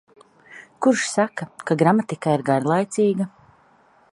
Kurš saka, ka gramatika ir garlaicīga?